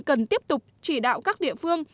cần tiếp tục chỉ đạo các địa phương